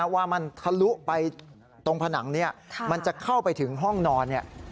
ว่ามันทะลุไปตรงผนังนี้มันจะเข้าไปถึงห้องนอน